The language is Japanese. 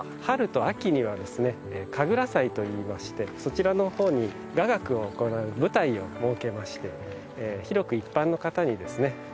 春と秋にはですね神楽祭といいましてそちらのほうに雅楽をご覧舞台を設けまして広く一般の方にですね